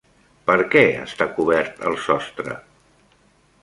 Per què està cobert el sostre?